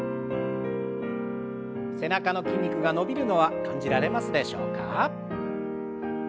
背中の筋肉が伸びるのは感じられますでしょうか。